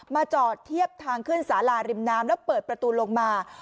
จอดเทียบทางขึ้นสาราริมน้ำแล้วเปิดประตูลงมา